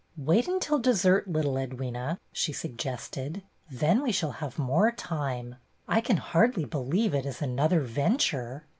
"Wait until dessert, little Edwyna," she suggested, "then we shall have more time. I can hardly believe it is another venture."